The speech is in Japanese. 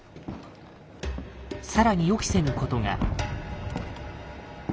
更に予期せぬことが。